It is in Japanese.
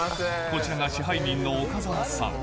こちらが支配人の岡澤さん。